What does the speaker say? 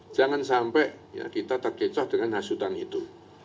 jangan sampai kita terkecoh dengan hasutan itu